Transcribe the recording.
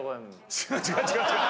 違う違う違う違う！